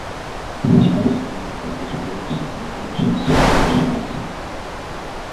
He is best known for his works on the ancient Sarmatians.